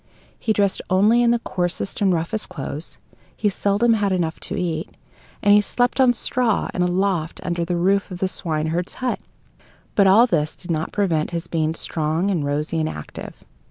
He dressed only in the coarsest and roughest clothes; he seldom had enough to eat, and he slept on straw in a loft under the roof of the swineherd's hut. But all this did not prevent his being strong and rosy and active.